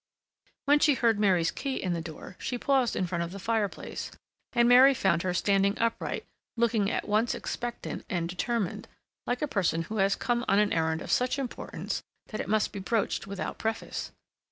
When she heard Mary's key in the door she paused in front of the fireplace, and Mary found her standing upright, looking at once expectant and determined, like a person who has come on an errand of such importance that it must be broached without preface.